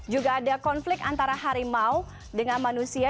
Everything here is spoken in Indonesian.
juga ada konflik antara harimau dengan manusia